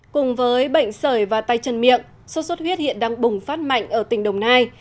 cùng với bệnh sởi và tay chân miệng sốt xuất huyết hiện đang bùng phát mạnh ở tỉnh đồng nai